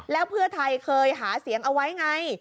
แล้วเพื่อไทยเคยหาเสียงเอาไว้ไง